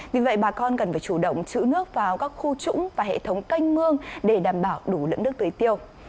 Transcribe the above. vì vậy bà con cần phải chủ động chữ nước vào các khu trũng và hệ thống canh mương để đảm bảo đủ lượng nước tưới tiêu